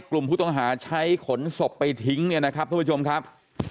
กลุ่มผู้ต้องหาใช้ขนศพไปทิ้งเนี่ยนะครับทุกผู้ชมครับ